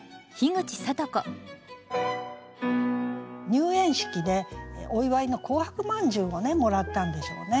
入園式でお祝いの紅白まんじゅうをもらったんでしょうね。